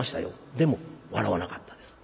でも笑わなかったです。